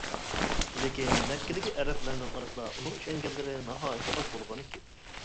لېكىن مەككىدىكى ئەرەبلەرنىڭ ئارىسىدا ئۇنىڭغا ئىشەنگەنلىرى ناھايىتى ئاز بولغانىكەن.